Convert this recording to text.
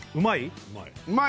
うまい？